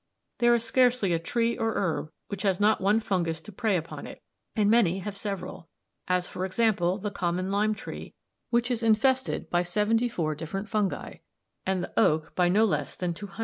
There is scarcely a tree or herb which has not one fungus to prey upon it, and many have several, as, for example, the common lime tree, which is infested by seventy four different fungi, and the oak by no less than 200.